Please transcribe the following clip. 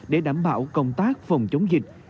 để đảm bảo công tác phòng chống dịch